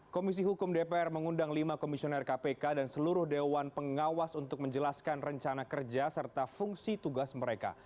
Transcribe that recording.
komisi hukum dpr mengundang lima komisioner kpk dan seluruh dewan pengawas untuk menjelaskan rencana kerja serta fungsi tugas mereka